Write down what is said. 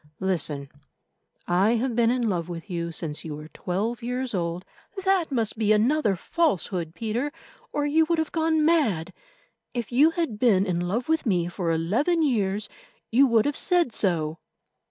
Listen. I have been in love with you since you were twelve years old—" "That must be another falsehood, Peter, or you have gone mad. If you had been in love with me for eleven years, you would have said so."